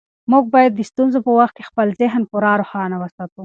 موږ باید د ستونزو په وخت کې خپل ذهن پوره روښانه وساتو.